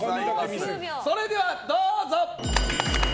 それではどうぞ！